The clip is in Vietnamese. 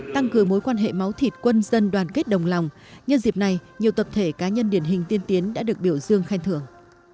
tăng cường mối quan hệ máu thịt quân dân đoàn kết đồng lòng nhân dịp này nhiều tập thể cá nhân điển hình tiên tiến đã được biểu dương khen thưởng